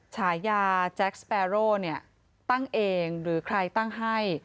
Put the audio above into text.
ฉายาแจ็คสเปโร่เนี่ยตั้งเองหรือใครตั้งให้